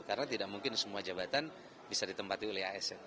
karena tidak mungkin semua jabatan bisa ditempatkan oleh asn